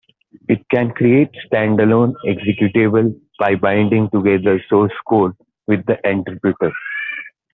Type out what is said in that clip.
It can create stand-alone executables by binding together source code with the interpreter.